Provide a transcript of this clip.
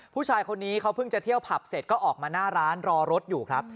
ผู้ชายคนนี้เขาเพิ่งจะเที่ยวผับเสร็จก็ออกมาหน้าร้านรอรถอยู่ครับ